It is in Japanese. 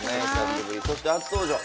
そして初登場